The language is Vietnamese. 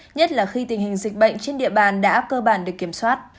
nhất là khi tình hình dịch bệnh trên địa bàn đã cơ bản được kiểm soát